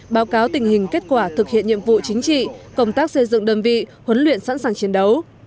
báo cáo tình hình kết quả thực hiện nhiệm vụ chính trị công tác xây dựng đơn vị huấn luyện sẵn sàng chiến đấu